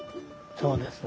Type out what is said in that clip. そうです。